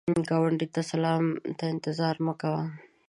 ګاونډي ته سلام ته انتظار مه کوه